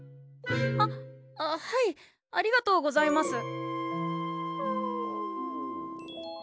あっはいありがとうございます。